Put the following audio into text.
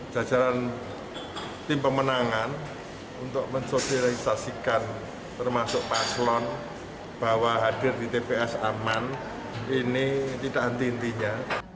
jajaran tim pemenangan untuk mensosialisasikan termasuk paslon bahwa hadir di tps aman ini tidak henti hentinya